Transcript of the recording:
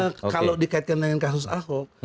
karena kalau dikaitkan dengan kasus ahok